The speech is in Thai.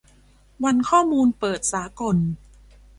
วันข้อมูลเปิดสากล